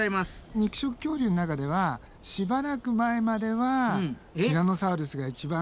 肉食恐竜の中ではしばらく前まではティラノサウルスが一番大きかったんだけど。